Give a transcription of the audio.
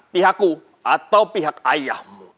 pihakku atau pihak ayahmu